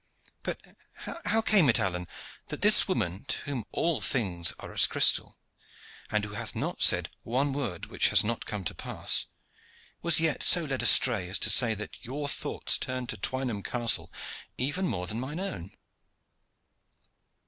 But how came it, Alleyne, that this woman, to whom all things are as crystal, and who hath not said one word which has not come to pass, was yet so led astray as to say that your thoughts turned to Twynham Castle even more than my own?"